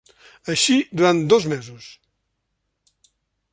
Així, durant dos mesos.